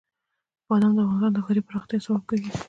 بادام د افغانستان د ښاري پراختیا سبب کېږي.